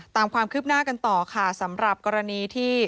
ตามความคืบหน้ากันต่อค่ะสำหรับกรณีที่